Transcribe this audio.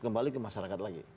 kembali ke masyarakat lagi